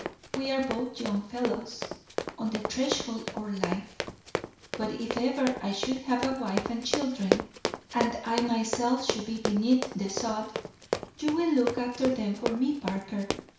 We are both young fellows on the threshold of life; but if ever I should have a wife and children, and I myself should be beneath the sod, you will look after them for me, Parker.